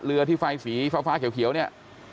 เรือที่ไฟสีฟ้าเขียวเนี่ย